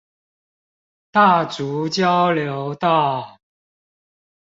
大竹交流道